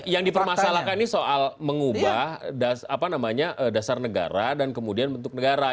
yang dipermasalahkan ini soal mengubah dasar negara dan kemudian bentuk negara